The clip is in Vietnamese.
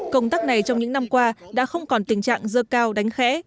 công tác này trong những năm qua đã không còn tình trạng dơ cao đánh khẽ